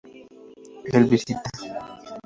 Él visita